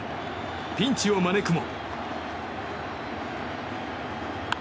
ピンチを招くも。